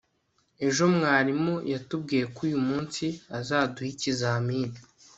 ejo mwarimu yatubwiye ko uyu munsi azaduha ikizamini